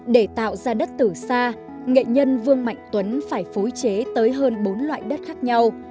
để tạo ra đất từ xa nghệ nhân vương mạnh tuấn phải phối chế tới hơn bốn loại đất khác nhau